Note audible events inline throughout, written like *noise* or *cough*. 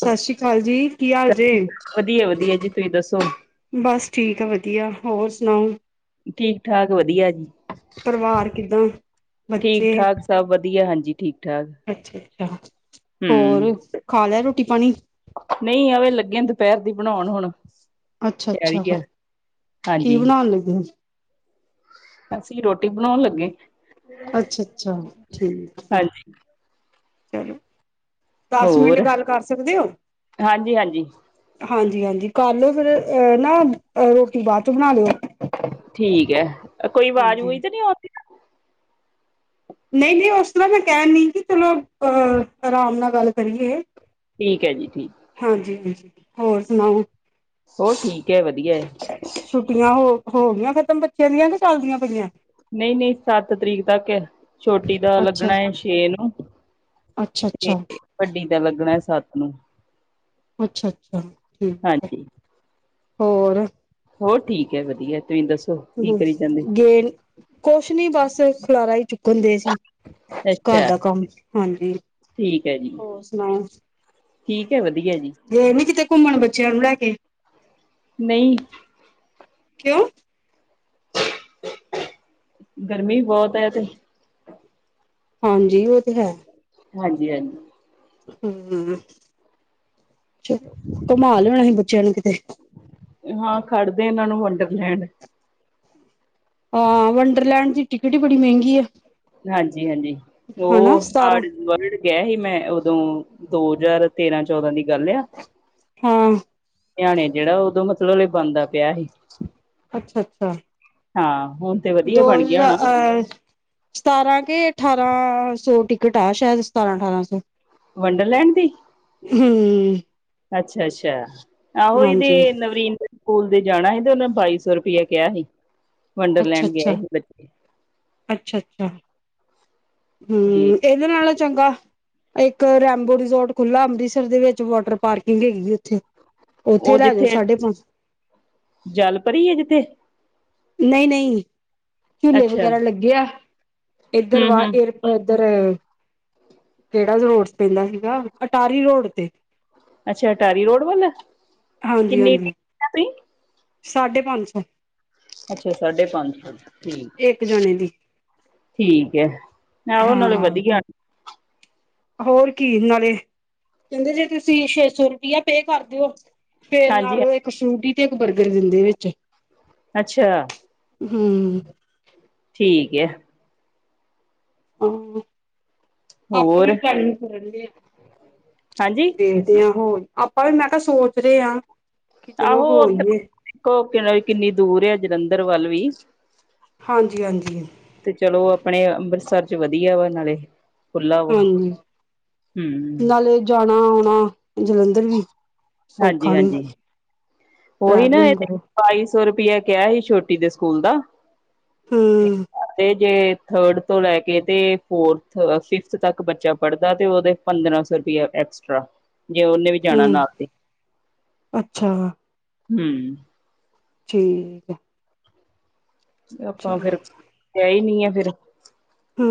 ਸਤਿ ਸ੍ਰੀ ਕਾਲ ਜੀ ਕੀ ਹਾਲ ਜੇ ਵਧੀਆ ਵਧੀਆ ਜੀ ਤੁਸੀਂ ਦੱਸੋ। ਬਸ ਠੀਕ ਆ ਵਧੀਆ ਹੋਰ ਸੁਣਾਓ। ਠੀਕ ਠਾਕ ਵਧੀਆ ਪਰਿਵਾਰ ਕਿੱਦਾਂ -ਬੱਚੇ ਜੀ ਠੀਕ। ਅੱਛਾ ਜੀ *inaudible* ਹੂੰ। ਨਈ ਆਵੇ ਲੱਗੇ ਆ ਦੁਪਿਆਰ ਦੀ- ਬਣਾਉਣ ਹੁਣ। ਅੱਛਾ -ਅੱਛਾ ਤਿਆਰੀ ਆ ਕੀ ਹਾਂਜੀ ਬਣਾਣ ਲੱਗੇ। ਅਸੀਂ ਰੋਟੀ ਬਣਾਉਣ ਲੱਗੇ। ਅੱਛਾ -ਅੱਛਾ ਠੀਕ। ਹਾਂਜੀ ਚਲੋ। ਦਸ ਮਿੰਟ ਹੋਰ ਗੱਲ ਕਰ ਸਕਦੇ ਹੋ -ਹਾਂਜੀ ਹਾਂਜੀ। ਹਾਂਜੀ -ਹਾਂਜੀ ਕਰ ਫਿਰ ਏ ਨਾ ਰੋਟੀ ਬਾਦ 'ਚੋ ਬਣਾ ਲਿਓ। ਠੀਕ ਐ। ਕੋਈ ਆਵਾਜ਼ ਹਾਂਜੀ ਅਵੂਜ ਤੇ ਨੀ ਔਂਦੀ। ਨਈ -ਨਈ ਉਸ ਤਰ੍ਹਾਂ ਮੈਂ ਕੈਣ ਦੀ ਸੀ ਤਲੋ ਅਹ ਆਰਾਮ ਨਾਲ- ਗੱਲ ਕਰੀਏ ਠੀਕ ਹੈ ਜੀ ਠੀਕ ।ਹਾਂਜੀ -ਹਾਂਜੀ। ਹੋਰ ਸੁਣਾਓ। ਹੋਰ ਠੀ- ਕਿਆ ਵਧੀਆ ਏ। ਛੁੱਟੀਆਂ ਹੋ ਹੋ ਗਈਆਂ ਖ਼ਤਮ ਬੱਚਿਆਂ ਦੀਆਂ ਕਿ ਚਲਦੀਆਂ ਪਈ ਐ ਨਈ -ਨਈ ਸੱਤ ਤਰੀਕ ਤੱਕ ਆ ।ਛੋਟੀ ਦਾ ਅੱਛਾ, ਲੱਗਣਾ ਏ ਛੇ ਨੂੰ। ਅੱਛਾ, ਤੇ ਅੱਛਾ। ਵੱਡੀ ਦਾ ਲੱਗਣਾ ਏ ਸੱਤ ਨੂੰ। ਅੱਛਾ -ਅੱਛਾ ਠੀਕ ਐ। ਹਾਂਜੀ ਹੋਰ ਹੋਰ ਠੀਕ ਐ ਵਧੀਆ। ਤੁਸੀਂ ਦੱਸੋ ਕੀ ਕਰੀ ਜਾਂਨੇ? ਗੇ ਕੁਛ ਨੀ ਬਸ ਏ ਖਲਾਰਾ ਈ ਚੁੱਕ- ਹੁੰਦੇ ਸੀ ।ਘਰ ਅੱਛਾ ਦਾ ਕੰਮ ਹਾਂਜੀ ਠੀਕ ਹੈ ਜੀ ।ਹੋਰ ਸੁਣਾਓ ਠੀਕ ਐ ਵਧੀ- ਗਏ ਨੀ ਕਿਤੇ? ਘੁੰਮਣ ਬੱਚਿਆਂ ਨੂੰ ਲੈ ਕੇ। ਨਈਂ। ਕਿਉਂ? ਗਰਮੀ ਬੋਤ ਐ ਤੇ। ਹਾਂਜੀ ਓ ਤੇ ਹੈ। ਹਾਂਜੀ -ਹਾਂਜੀ। ਹੂੰਅ ਚਲੋ -ਘੁਮਾ ਲਿਆਣਾ ਸੀ ਬੱਚਿਆਂ ਨੂੰ ਕਿਤੇ। ਹਾਂ ਖੜਦੇ ਇਹਨਾਂ ਨੂੰ ਵੰਡਰਲੈਂਡ ਹਾਂ ਵੰਡਰਲੈਂਡ ਦੀ ਟਿਕਟ ਹੀ ਬੜੀ ਮਹਿੰਗੀ ਆ। ਹਾਂਜੀ ਹਾਂਜੀ ਉਹ ਸਤਾਰਾਂ ਹਡ ਵਰਡ ਗਿਆ ਸੀ ਮੈਂ ਜਦੋਂ ਦੋ ਹਜ਼ਾਰ ਤੇਰਾਂ ਚੌਦਾਂ ਦੀ ਗੱਲ ਆ। ਹਾਂ। ਹਰਿਆਣੇ ਜਿਹੜਾ ਉਦੋਂ ਮਤਲਬ ਇਹ ਬਣਦਾ ਪਿਆ ਸੀ। ਅੱਛਾ ਅੱਛਾ ਹਾਂ ਹੁਣ ਤੇ ਵਧੀਆ ਦੋ ਬਣ ਗਿਆ ਹੋਣਾ ਹਜ਼ਾਰ। ਸਤਾਰਾਂ ਕੇ ਅਠਾਰਾਂ ਸੌ ਟਿਕਟ ਆ ਸ਼ਾਇਦ ਸਤਾਰਾਂ ਅਠਾਰਾਂ ਸੌ। ਵੰਡਰਲੈਂਡ ਦੀ ਹਮ। ਅੱਛਾ ਅੱਛਾ। ਆਹੋ ਹਾਂਜੀ ਇਹਨਾਂ ਵ ਸਕੂਲ ਦੇ ਜਾਣਾ ਸੀ ਤੇ ਉਹਨੇ ਬਾਈ ਸੌ ਰੁਪਇਆ ਕਿਹਾ ਸੀ। ਅੱਛਾ ਵੰਡਰਲੈਂਡ ਗਿਆ ਅੱਛਾ ਸੀ ਬੱਚੇ ਅੱਛਾ ਅੱਛਾ। ਤੇ ਹਮ ਇਹਦੇ ਨਾਲੋਂ ਚੰਗਾ ਇੱਕ ਰੈਬੋ ਰਿਜੋਰਟ ਖੁੱਲ੍ਹਲਾ ਅੰਮ੍ਰਿਤਸਰ ਦੇ ਵਿੱਚ ਵਾਟਰ ਪਾਰਕਿੰਗ ਹੈਗੀ ਉੱਥੇ ਉੱਥੇ ਉਹ ਲੈ ਜਾਓ ਜਿੱਥੇ ਸਾਢੇ ਪੰਜ ਜਲ ਪਰੀ ਹੈ ਜਿੱਥੇ ਨਹੀਂ ਨਹੀਂ। ਝੂਲੇ ਅੱਛਾ ਵਗੈਰਾ ਲੱਗੇ ਆ। ਇੱਧਰ ਹਮ ਵਾਹ ਹਮ ਇਧਰ ਕਿਹੜਾ ਰੋਡ ਪੈਂਦਾ ਸੀਗਾ ਅਟਾਰੀ ਰੋਡ ਤੇ ਅੱਛਾ ਅਟਾਰੀ ਰੋਡ ਵਾਲਾ। ਹਾਂਜੀ ਹਾਂਜੀ। ਸਾਢੇ ਪੰਜ ਸੌ। ਅੱਛਾ ਸਾਢੇ ਪੰਜ। ਠੀਕ ਇੱਕ ਜਣੇ ਦੀ ਠੀਕ ਹੈ। ਆ ਉਹ ਨਾਲੇ ਹਾਂ ਵਧੀਆ ਹੋਰ ਕੀ ਨਾਲੇ ਕਹਿੰਦੇ ਜੇ ਤੁਸੀਂ ਛੇ ਸੌ ਰੁਪਇਆ ਪੇ ਕਰ ਦਿਓ ਫੇਰ ਹਾਂਜੀ ਨਾਲ ਉਹ ਇੱਕ ਸੂਟੀ ਬ। ਗਰ ਦਿੰਦੇ ਵਿੱਚ ਅੱਛਾ ਹਮ ਠੀਕ ਹੈ। *unintelligible* ਪਾਪਾ ਹੋਰ ਵੀ *unintelligible* ਕਰਨਗੇ ਹਾਂਜੀ ਤੇ-ਤੇ ਹੋਰ ਆਪਾਂ ਵੀ ਮੈਂ ਕਾ ਸੋਚ ਰੇ ਅਤ ਆਹੋ ਓਧ ਕ ਕਿੰਨੀ ਦੂਰ ਐ ਜਲੰਧਰ ਵੱਲ ਵੀ ਵੀ ਹਾਂਜੀ-ਹਾਂਜੀ ਤੇ ਚਲੋ ਆਪਣੇ ਅੰਮ੍ਰਿਤਸਰ ਚ ਵਧੀਆ ਵਾ ਨਾਲੇ ਖੁੱਲਾ ਵਾ ਹਾਂਜੀ ਹਮ ਨਾਲੇ ਜਾਣਾ। ਆ ਜਲੰਧਰ ਵੀ ਹਾਂਜੀ ਸੌਖਾ ਨੀ ਹਾਂਜੀ ਟਰੈਵਲਿੰਗ ਕਰੋ। ਸੋ ਰੁਪਇਆ ਕਿਆ ਸੀ ਛੋਟੀ ਦੇ ਸਕੂਲ ਦਾ ਹੂੰ ਕੇ ਥਰਡ ਤੋਂ ਲੈ ਕੇ ਤੇ ਫੋਰਥ ਫਿਫਥ ਤੱਕ ਬੱਚਾ ਪੜ੍ਹਦਾ ਤੇ ਓਦੇ ਪੰਦਰਾਂ ਸੌ ਰੁਪਇਆ ਐਕਸਟਰਾ ਜੇ ਓਨੇ ਵੀ ਜਾਣਾ ਹਮ ਨਾ ਤੇ ਅੱਛਾ ਹੂੰ ਠੀਕ ਐ ਆਪਾਂ ਫਿਰ ਹੈ ਈ ਨੀ ਆ ਫਿਰ ਹੂੰ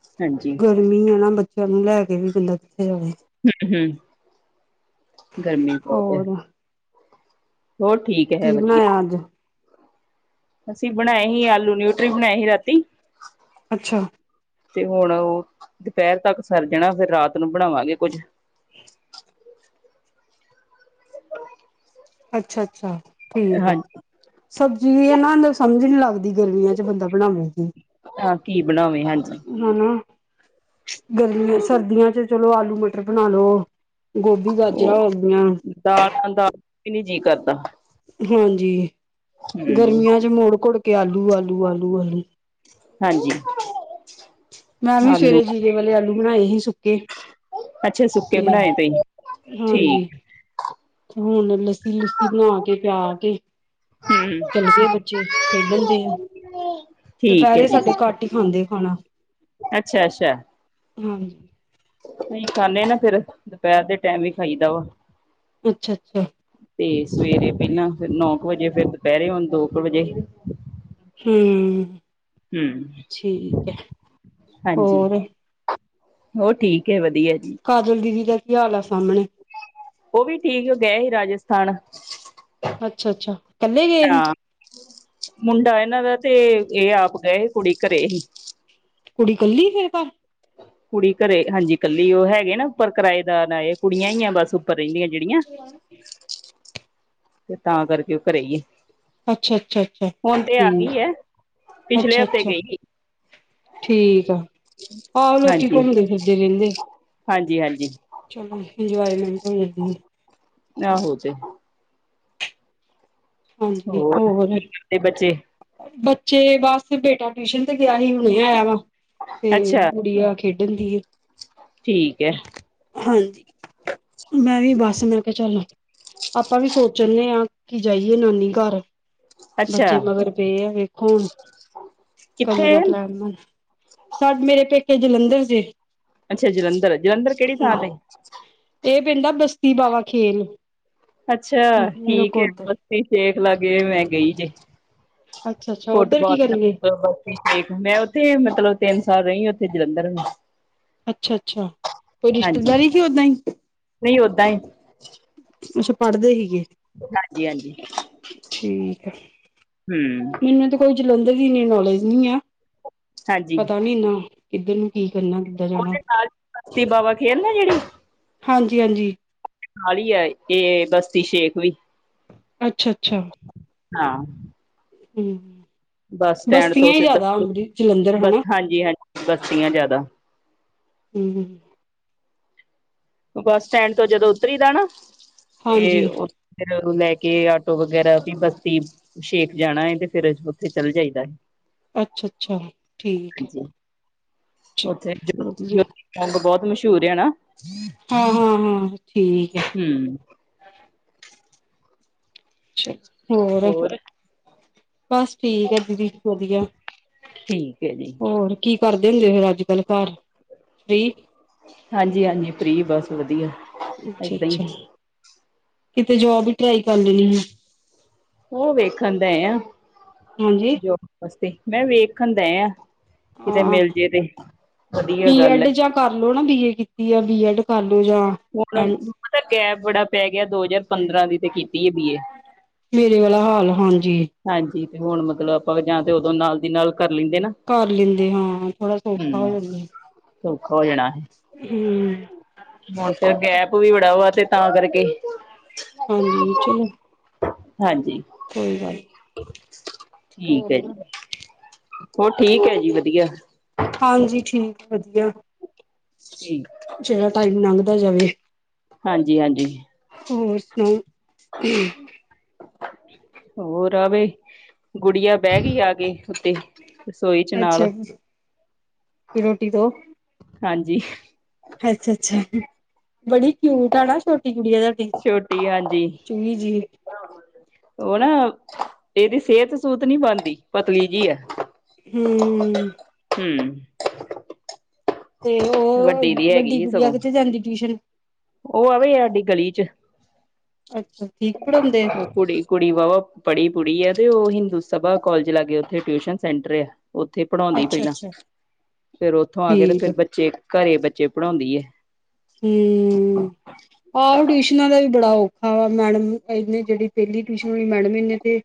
ਹਾਂਜੀ ਗਰਮੀ ਐ ਨਾ ਬੱਚਾ ਨੂੰ ਲੈ ਕੇ ਵੀ ਬੰਦਾ ਕਿੱਥੇ ਜਾਵੇ ਹੂੰ-ਹੂੰ ਗਰਮੀ ਬੋਤ ਐ ਹੋਰ ਹੋਰ ਠੀਕ ਹੈ ਕੀ ਵਧੀਆ ਬਣਾਇਆ ਅੱਜ ਅਸੀਂ ਬਣਾਏ ਸੀ ਆਲੂ ਨਿਊਟਰੀ ਬਣਾਏ ਸੀ ਰਾਤੀ ਅੱਛਾ। ਤੇ ਹੁਣ ਓ ਦੁਪੇਰ ਤੱਕ ਸਰ ਜਾਣਾ ਫਿਰ ਰਾਤ ਨੂੰ ਬਣਾਵਾਂਗੇ ਕੁੱਝ ਅੱਛਾ । ਅੱਛਾ ਠੀਕ ਐ ਹਾਂਜੀ ਸਬਜ਼ੀ ਵੀ ਐ ਨਾ ਸਮਝ ਨੀ ਲੱਗਦੀ ਗਰਮੀਆਂ ਚ ਬੰਦਾ ਬਣਾਵੇਗੀ ਹਾਂ ਬਣਾਵੇ ਹਾਂਜੀ ਕੀ ਹਨਾਂ ਗਰਮੀਆਂ ਸਰਦੀਆਂ ਚ ਚਲੋ ਆਲੂ ਮਟਰ ਬਣਾ ਲੋ। ਗੋਭੀ ਗਾਜਰਾਂ ਹੋ ਗਿਆਂ ਦਾਲਾਂ ਦਾ ਵੀ ਨੀ ਜੀਅ ਕਰਦਾ। ਹਾਂਜੀ ਹੂੰ ਗਰਮੀਆਂ 'ਚ ਮੁੜ ਕੂੜ ਕੇ ਆਲੂ ਲੂ-ਆਲੂ-ਆਲੂ-ਆਲੂ ਹਾਂਜੀ ਮੈਂ ਵੀ ਆਲੂ ਸਵੇਰੇ ਜੀਰੇ ਵਾਲੇ ਆਲੂ ਬਣਾਏ ਹੀ ਸੁੱਕ ਕਿ ਅੱਛਾ ਸੁੱਕੇ ਬਣਾਏ ਪਏ ਹਾਂਜੀ ਠੀਕ ਹੁਣ ਲੱਸੀ ਲੁੱਸੀ ਬਣਾ ਕੇ ਪਿਆ ਕੇ *inaudible* ਚੱਲ ਗਏ ਬੱਚੇ ਖੇਡਣ ਦੇ ਆ ਠੀਕ ਹੈ ਦੁਪਹਿਰੇ ਜੀ ਸਾਡੇ ਘੱਟ ਹੀ ਖਾਂਦੇ ਖਾਣਾ ਅੱਛਾ-ਅੱਛਾ ਹਾਂਜੀ ਨਹੀਂ ਖਾਂਦੇ ਨਾ ਫੇਰ ਦੁਪਹਿਰ ਦੇ ਟਾਈਮ ਹੀ ਖਾਈਦਾ ਵਾ ਅੱਛਾ ਅੱਛਾ ਤੇ ਸਵੇਰੇ ਪਹਿਲਾਂ ਫ ਨੌ ਕੁ ਵਜੇ ਫੇਰ ਦੁਪਹਿਰੇ ਹੁਣ ਦੋ ਕੁ ਵਜੇ ਹੂੰ ਹੂੰ ਠੀਕ ਹੈ ਹੋਰ ਹੋ ਠੀਕ ਹੈ ਵਧੀਆ ਜੀ ਕਾਜਲ ਦੀਦੀ ਦਾ ਕੀ ਹਾਲ ਆ ਸਾਹਮਣੇ ਉਹ ਵੀ ਠੀਕ ਉਹ ਗਏ ਸੀ ਰਾਜਸਥਾਨ ਅੱਛਾ-ਅੱਛਾ ਇਕੱਲੇ ਗਏ ਹੀ। ਹਾਂ ਮੁੰਡਾ ਇਹਨਾਂ ਦਾ ਤੇ ਇਹ ਆਪ ਗਏ ਹੀ ਕੁੜੀ ਘਰੇ ਹੀ ਕੁੜੀ ਕੱਲੀ ਫਿਰ ਤਾਂ ਕੁੜੀ ਘਰੇ ਹਾਂਜੀ ਕੱਲੀ ਉਹ ਹੈਗੇ ਨਾ ਉੱਪਰ ਕਿਰਾਏਦਾਰ ਆਏ ਕੁੜੀਆਂ ਹੀ ਆ ਬਸ ਉ ਰਹਿੰਦੀਆਂ ਜਿਹੜੀਆਂ ਅੱਛਾ ਤੇ ਤਾਂ ਕਰਕੇ ਉਹ ਘਰੇ ਹੀ ਹੈ। ਅੱਛਾ ਅੱਛਾ ਹੁਣ ਤੇ ਆ ਠੀਕ ਗਈ ਹੈ ਪਿਛਲੇ ਅੱਛਾ ਹਫ਼ਤੇ ਅੱਛਾ ਗਈ ਹੀ। ਠੀਕ ਆ ਆਓ ਲੋਕੀ ਘੁੰਮਦੇ ਫਿਰਦੇ ਰਹਿੰਦੇ ਹਾਂਜੀ-ਹਾਂਜੀ *inaudible* ਹੂੰ ਨਾ ਹੋ ਜੇ ਹਾਂਜੀ ਹੋਰ ਕੀ ਕਰਦੇ ਬੱਚੇ ਚੇ ਬਸ ਬੇਟਾ ਟਿਊਸ਼ਨ ਤੇ ਗਿਆ ਸੀ ਹੁਣੇ ਆਇਆ ਵਾ ਤੇ ਅੱਛਾ ਗੁੜਿਆ ਖੇਡਾਂਦੀ ਏ। ਠੀਕ ਐ। ਹਾਂਜੀ ਮੈਂ ਵੀ ਬਸ ਮੈਂ ਕਿਹਾ ਚੱਲ ਆਪਾਂ ਵੀ ਸੋਚਣਦੇ ਹਾਂ ਕਿ ਜਾਈਏ ਨਾਨੀ ''ਘਰ ਅੱਛਾ ''ਬੱਚੇ ਮਗਰ ਪਏ ਆ, ਵੇਖੋ, ਹੁਣ ਕਦੋਂ ਕਿੱਥੇ ਦਾ ਪਲੈਨ। ਸਾਡ''ਮੇਰੇ ਪੇਕੇ ਜਲੰਧਰ ਜੇ। ਅੱਛਾ। ਜਲੰਧਰ-ਜਲੰਧਰ ਕਿਹੜੀ ਹੂੰ ਥਾਂ 'ਤੇ? ਇਹ ਪਿੰਡ ਆ, ਬਸਤੀ ਬਾਵਾ ਖੇਲ। ਅੱਛਾ! ਠੀਕ ਏ ਨਕੋਦਰ ਦੇਖ ਲਾਂਗੇ ''ਮੈਂ ਗਈ ਜੇ। ਅੱਛਾ ਅੱਛਾ ਉੱਧਰ ਕੀ ਫੁੱਟਬਾਲ ਕਰਨਗੇ ਤੱਕ ''ਮੈਂ ਉੱਥੇ, ਮਤਲਬ, ਤਿੰਨ ਸਾਲ ਰਹੀ। ਜਲੰਧਰ ਅੱਛਾ- ਅੱਛਾ। ਕੋਈ ਹਾਂਜੀ ਰਿਸ਼ਤੇਦਾਰੀ ਕੀ ਓਹਦਾ ਈਂ? ਨਹੀਂ ਓਦਾਂ ਹੀ ਅੱਛਾ, ਪੜ੍ਹਦੇ ਸੀਗੇ। ਹਾਂਜੀ ਠੀਕ ਐ। ਹੂੰ। ''ਜਲੰਧਰ ਦੀ ਇੰਨੀ ਨੌਲੇਜ ਨਹੀਂ ਆ। ਹਾਂਜੀ। ਪਤਾ ਨੀ ਨਾ ਕਿੱਧਰ ਨੂੰ ਕੀ ਕਰਨਾ ਕਿੱਦਾਂ ਜਾਣਾ ਉਹਦੇ ਨਾਲ ਬਸਤੀ ਬਾਵਾ ਖੇਲ ਨਾ, ਜਿਹੜੀ। ਹਾਂਜੀ- ਹਾਂਜੀ। ਨਾਲ ਹੀ ਹੈ, ਇਹ ਬਸਤੀ ਸ਼ੇਖ ਵੀ। ਅੱਛਾ -ਅੱਛਾ। ਹਾਂ। ਹੂੰ। ਬੱਸ ਸਟੈਂਡ ਤੋਂ 'ਬਸਤੀਆਂ ਹੀ ਜ਼ਿਆਦਾ ਸਿੱਧਾ ਹੁੰਦੀਆਂ, ਜਲੰਧਰ ਬਸ ਹਨਾ। ਹਾਂਜੀ ਹਾਂਜੀ ਬਸਤੀਆਂ ਜ਼ਿਆਦਾ। ਹੂੰ, ਹੂੰ। ਬੱਸ ਸਟੈਂਡ ਤੋਂ, ਜਦੋਂ ਉਤਰੀਦਾ ਨਾ। ਇਹ ਹਾਂਜੀ ''ਉਹਨੂੰ ਫੇਰ ਲੈਕੇ ਕਿ, ਆਟੋ ਵਗੈਰਾ ਵੀ ਬਸਤੀ ਸ਼ੇਖ ਜਾਣਾ ਹੈ ਤੇ, ਫੇਰ ਉੱਥੇ ਚਲ ਜਾਈਦਾ ਏ। ਅੱਛਾ ਅੱਛਾ ਠੀਕ ਜੀ। ਹੈ ਉੱਥੇ ਜੋ ਵਧੀਆ ਜੋਤੀਗ ਬਹੁਤ ਮਸ਼ਹੂਰ ਆ ਨਾ? ਹਾਂ, ਹਾਂ, ਹਾ, ਠੀਕ ਐ। ਹਮ ਅੱਛਾ ਹੋਰ? ਬੱਸ ਠੀਕ ਐ। ਦੀਦੀ, ਵਧੀਆ। ਠੀਕ ਹੈ ਜੀ ਹੋਰ ਕੀ ਕਰਦੇ ਹੁੰਦੇ ਫਿਰ? ਕਲਕਾਰ -ਈ ਹਾਂਜੀ -ਹਾਂਜੀ। ਫ੍ਰੀ ਬੱਸ, ਵਧੀਆ। ਅੱਛਾ ਏਦਾਂ ਹੀ ਅੱਛਾ ਕਿਤੇ ਜੋਬ ਹੀ ਟਰਾਈ ਕਰ ਲੈਣੀ ਹੈ ਉਹ ਵੇਖਣ ਦਾ ਆ ਹਾਂਜੀ ਜੋ ਵਾਸਤੇ ਮੈਂ ਵੇਖਣ ਦਾ ਆ ਕਿਤੇ ਮਿਲ ਆਹ ਜੇ ਤੇ ਵਧੀਆ ਗੱਲ ਹੈ ਬੀਐਡ ਜਾਂ ਕਰਲੋ ਨਾ ਬੀਏ ਕੀਤੀ ਜਾਂ ਬੀਐਡ ਕਰ ਲੋ। ਹੁਣ ਦਾ ਗੈਬ ਬੜਾ ਪੈ ਗਿਆ। ਦੋ ਹਜ਼ਾਰ ਪੰਦਰਾਂ ਦੀ ਤੇ ਹੈ ਬੀਏ ਮੇਰੇ ਵਾਲਾ ਹਾਲ ਹਾਂਜੀ। ਹਾਂਜੀ ਹੁਣ ਮਤਲਬ ਆਪਾਂ ਜਾਂ ਤੇ ਉਦੋਂ ਨਾਲ ਦੀ ਨਾਲ ਕਰ ਲੈਂਦੇ ਨਾ ਕਰ ਲੈਂਦੇ ਹਾਂ ਥੋੜਾ ਸੌਖਾ ਹਮ ਹੋ ਜਾਂਦਾ। ਸੌਖਾ ਹੋ ਜਾਣਾ ਹੀ। ਹਮ। ਹੁਣ ਫਿਰ ਗੈਪ ਵੀ ਬੜਾ ਵਾ ਤੇ ਤਾਂ ਕਰਕੇ ਹਾਂਜੀ ਚਲੋ। ਹਾਂਜੀ। ਕੋਈ ਗੱਲ ਨੀ। ਠੀਕ ਹੋਰ ਹੈ ਜੀ। ਹੋਰ ਠੀਕ ਹੈ ਜੀ ਵਧੀਆ। ਹਾਂਜੀ ਠੀਕ ਆ। ਵਧੀਆ ਠੀਕ ਜਿਹੜਾ ਟਾਈਮ ਲੰਘ ਜਾਵੇ। ਹਾਂਜੀ ਹਾਂਜੀ ਹੋਰ ਸੁਣਾਓ ਹੋਰ? ਰਰਾਵੇ। ਗੁੜੀਆ ਬਹਿ ਗਈ ਆ ਕੇ ਉੱਥੇ ਰਸੋਈ ਚ ਨਾਲ ਅੱਛਾ ਰੋਟੀ ਤੋਂ ਹਾਂਜੀ। ਅੱਛਾ ਅੱਛਾ ਬੜੀ ਕਿਉਟ ਆ ਨਾ ਛੋਟੀ ਕੁੜੀ ਦਾ। ਛੋਟੀ ਹਾਂਜੀ। ਉਹ ਨਾ ਇਹਦੀ ਸਿਹਤ ਸੂਹਤ ਨੀ ਬਣਦੀ ਪਤਲੀ ਜਿ ਹੈ। ਹਮ। ਤੇ ਉਹ ਦੀ ਹੈਗੀ ਵੱਡੀ ਸੀ ਕੁੜੀ ਆ ਸਗੋਂ ਕਿਤੇ ਜਾਂਦੀ ਟਿਊਸ਼ਨ? ਉਹ ਆਵੇ ਸਾਡੀ ਗਲੀ ਚ ਅੱਛਾ ਠੀਕ ਪੜ੍ਹਾਉਂਦੇ ਕੁੜੀ ਕੁੜੀ ਵਵਾ ਪੜੀ ਪੁੜੀ ਆ। ਉਹ ਹਿੰਦੂ ਸਭਾ ਕੋਲਜ ਲਾਗੇ ਉੱਥੇ ਟਿਊਸ਼ਨ ਸੈਂਟਰ ਆ। ਉੱਥੇ ਪੜ੍ਹਾਉਂਦੀ ਅੱਛਾ ਪਹਿਲਾਂ ਅੱਛਾ ਫੇਰ ਉੱਥੋਂ ਆ ਕੇ ਤੇ ਠੀਕ ਫੇਰ ਬੱਚੇ ਘਰੇ ਚੇਪੜਾ ਹੁੰਦੀ ਏ। ਹੂੰ ਮ ਆਹੋ ਟਿਊਸ਼ਨਾਂ ਦਾ ਵੀ। ਬੜਾ ਔਖਾ ਵਾ ਮੈਡਮ ਇਹਨੇ ਜਿਹੜੀ ਪਹਿਲੀ ਟਿਊਸ਼ਨ ਮੈਡਮ ਇਹਨੇ ਤੇ।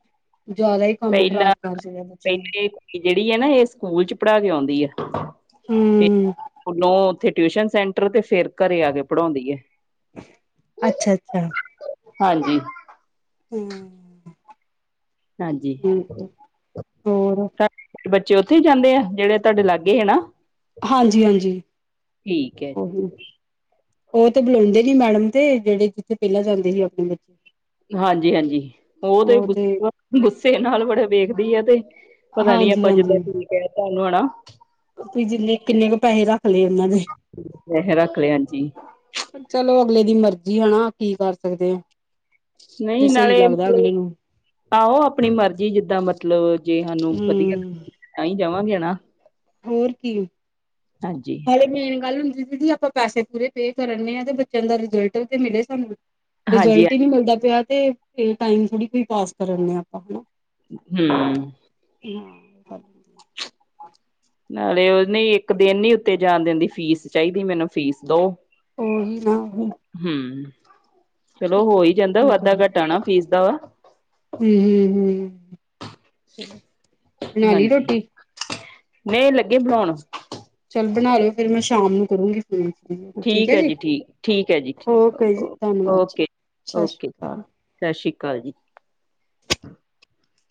ਜ਼ਿਆਦਾ ਹੀ ਕੰਮ ਪਹਿਲਾਂ ਖ਼ਰਾਬ ਕਰ ਛੱਡਿਆ ਬੱਚਿਆਂ ਨੂੰ ਪਹਿਲੇ ਕੁੀ ਜਿਹੜੀ ਹੈ ਨਾ ਇਹ ਸਕੂਲ ਚ ਪੜ੍ਹਾ ਕੇ ਆਉਂਦੀ। *unintelligible* ਹੂੰ ਹੁਣ ਉਹ ਉੱਥੇ। ਟਿਊਸ਼ਨ ਸੈਂਟਰ ਤੇ ਫਿਰ। ਘਰੇ ਆ ਕੇ ਪੜ੍ਹਾਉਂਦੀ ਹੈ। ਅੱਛਾ ਅੱਛਾ ਹਾਂਜੀ। ਹੂੰ। ਹਾਂਜੀ ਠੀਕ ਹੈ ਹੋਰ। ਤੁਹਾਡੇ ਬੱਚੇ ਉੱਥੇ ਹੀ ਜਾਂਦੇ ਆ ਜਿਹੜੇ ਤੁਹਾਡੇ ਲਾਗੇ ਹੈ ਨਾ। ਹਾਂਜੀ-ਹਾਂਜੀ ਠੀਕ ਹੈ। ਉਹੀ। ਉਹ ਤੇ ਬੁਲਾਉਂਦੇ ਨੀ ਮੈਡਮ ਤੇ ਜਿਹੜੇ ਜਿੱਥੇ ਪਹਿਲਾਂ ਜਾਂਦੇ ਸੀ ਆਪਣੀ ਬੱਚੇ। ਹਾਂਜੀ-ਹਾਂਜੀ ਉਹ ਤੇ ਗੁੱਸ ਗੁੱਸੇ ਨਾਲ ਬੜੇ ਵੇਖਦੀ ਆ ਤੇ ਪਤਾ ਨੀ ਹਾਂਜੀ ਆਪਾਂ ਜਿੱਦਾਂ ਠੀਕ ਹੈ। *unintelligible* ਤੁ ਜਿੰਨੇ ਕਿੰਨੇ ਕੁ ਪੈਹੇ ਰੱਖ ਲਏ? ਵੈਸੇ ਰੱਖ ਲਿਆ ਜੀ ਚਲੋ। ਅਗਲੇ ਦੀ ਮਰਜੀ ਹੈ ਨਾ ਕੀ ਕਰ ਸਕਦੇ ਆ। ਜੇ ਨਹੀਂ ਸਹੀ ਨਾਲੇ ਲੱਗਦਾ ਮਤਲਬ ਅਗਲੇ ਨੂੰ ਆਹੋ ਆਪਣੀ ਮਰਜੀ ਜਿੱਦਾਂ ਮਤਲਬ ਜੇ ਸਾਨੂੰ ਵਧੀਆ ਹਮ ਤਾਂ ਹੀ ਜਾਵਾਂਗੇ ਨਾ। ਹੋਰ ਕੀ ਹਾਂਜੀ ਹਾਲੇ ਮੇਨ ਗੱਲ। ਕਿ ਦੀਦੀ ਆਪਾਂ ਪੈਸੇ ਪੂਰੇ ਪੇ ਕਰਨੇ ਆ ਤੇ ਬੱਚਿਆਂ ਦਾ ਰਿਜਲਟ ਤੇ ਮਿਲੇ ਸਾਨੂੰ। ਹਾਂਜੀ ਰਿਜ਼ਲਟ ਹੀ ਨੀ ਮਿਲਦਾ ਪਿਆ। ਤੇ ਟਾਈਮ ਥੋੜੀਈ ਪਾਸ ਕਰਨਦੇ ਆਪਾਂ ਹਨਾ। ਹੂੰ। ਹਾਂ। ਨਾਲੇ ਉਹਨੇ ਇੱਕ ਦਿਨ ਨ ਉੱਤੇ ਜਾਣ ਦੇਣ ਦੀ ਫੀਸ ਚਾਹੀਦੀ ਮੈਨੂੰ ਫੀਸ ਦੋ। ਉਹੀ ਨਾ ਹੁਣ। ਹਮ ਚਲੋ ਹੋ ਹੀ ਜਾਂਦਾ ਵਾਧਾ ਘੱਟਾ ਨਾ ਫੀਸ ਦਾ ਵਾ। ਹਮ ਹਮ ਹਮ ਚਲੋ ਬਨਾਲੀ ਹਾਂਜੀ ਰੋਟੀ? ਨਹੀਂ ਲੱਗੇ ਬਣਾਉਣ। ਚੱਲ ਬਣਾ ਲਓ ਫੇਿਰ ਮੈਂ ਸ਼ਾਮ ਨੂੰ ਕਰੂੰਗੀ। ਠੀਕ ਹੈ ਜੀ ਠੀਕ ਠੀਕ ਹੈ ਜੀ ਠੀਕ। ਓਕੇ ਜੀ ਓ- ਧੰਨਵਾਦ ਜੀ ਓਕੇ ਸਤਿ ਸ਼੍ਰੀ ਓਕੇ ਅਕਾਲ। *unintelligible*